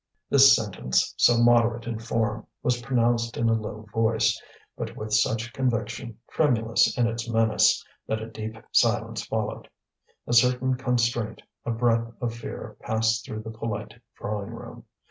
This sentence, so moderate in form, was pronounced in a low voice, but with such conviction, tremulous in its menace, that a deep silence followed. A certain constraint, a breath of fear passed through the polite drawing room.